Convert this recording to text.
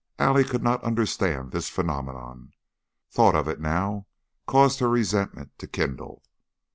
Allie could not understand this phenomenon; thought of it now caused her resentment to kindle.